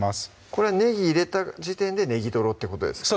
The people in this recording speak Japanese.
これはねぎ入れた時点でネギトロってことですか？